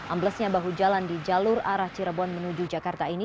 amblesnya bahu jalan di jalur arah cirebon menuju jakarta ini